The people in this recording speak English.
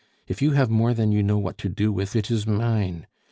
If you have more than you know what to do with, it is mine.